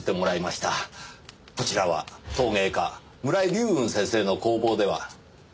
こちらは陶芸家村井流雲先生の工房では？